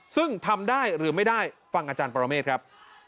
ซึ่งทำได้หรือไม่ได้ฟังอาจารย์ปรเมฆครับ